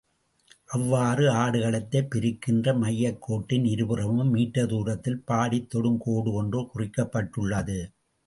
அவ்வாறு ஆடு களத்தைப் பிரிக்கின்ற மையக் கோட்டின் இருபுறமும் மீட்டர் தூரத்தில் பாடித் தொடும் கோடு ஒன்று குறிக்கப்பட்டுள்ளது.